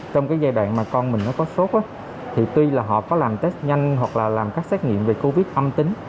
trong cái giai đoạn mà con mình nó có sốt thì tuy là họ có làm test nhanh hoặc là làm các xét nghiệm về covid âm tính